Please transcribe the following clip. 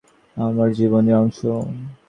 আনন্দদায়ক না হলেও, সেগুলো আমার জীবনেরই অংশ।